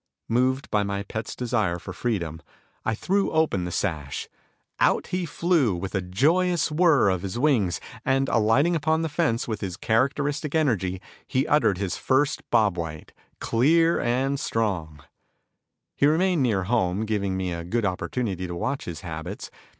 Moved by my pet's desire for freedom, I threw open the sash. Out he flew, with a joyous whirr of his wings, and alighting upon the garden fence, with his characteristic energy, he uttered his first bob white! clear and strong. He remained near home, giving me a good opportunity to watch his habits.